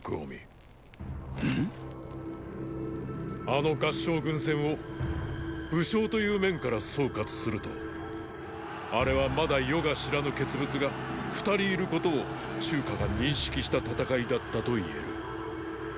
あの合従軍戦を武将という面から総括するとあれはまだ世が知らぬ傑物が二人いることを中華が認識した戦いだったと言える。